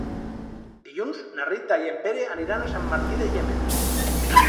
Dilluns na Rita i en Pere aniran a Sant Martí de Llémena.